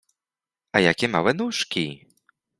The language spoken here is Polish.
— A jakie małe nóżki!